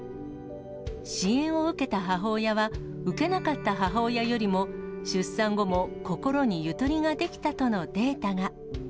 支援を受けた母親は、受けなかった母親よりも出産後も心にゆとりができたとのデータが。